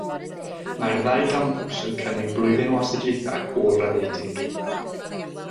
Mae'r ddau gampws yn cynnig blwyddyn o astudiaethau ôl-raddedig.